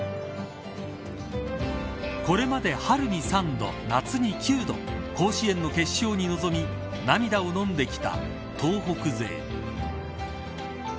これまで春に３度夏に９度甲子園の決勝に臨み涙をのんできた東北勢。